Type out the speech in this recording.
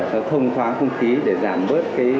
không thoáng không khí để giảm bớt